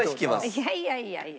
いやいやいやいやいい。